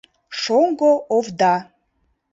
Шоҥго овда.